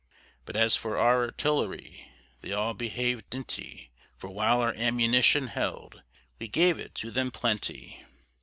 But as for our artillery, They all behavèd dinty; For while our ammunition held, We gave it to them plenty.